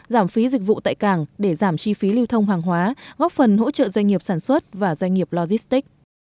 giảm phí dịch vụ tại cảng để giảm chi phí lưu thông hàng hóa góp phần hỗ trợ doanh nghiệp sản xuất và doanh nghiệp logistics